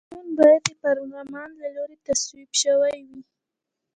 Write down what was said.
قانون باید د پارلمان له لوري تصویب شوی وي.